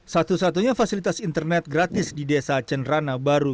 satu satunya fasilitas internet gratis di desa cenerana baru